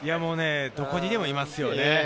どこにでもいますよね。